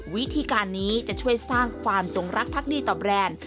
วิธีการนี้จะช่วยสร้างความจงรักพักดีต่อแบรนด์